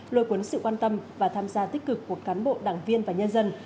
lôi cuốn sự quan tâm và tham gia tích cực của cán bộ đảng viên và nhân dân